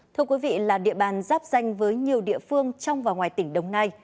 thưa quý vị là địa bàn giáp danh với nhiều địa phương trong và ngoài tỉnh đồng nai